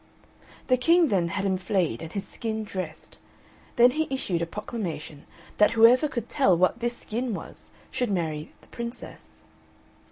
The King then had him flayed and his skin dressed. Then he issued a proclamation that whoever could tell what this skin was should marry the Princess.